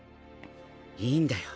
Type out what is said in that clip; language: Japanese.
いいんだよ。